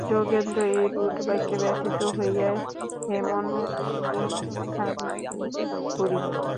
যোগেন্দ্রের এই রূঢ়বাক্যে ব্যথিত হইয়া হেমনলিনী মাথা নিচু করিল।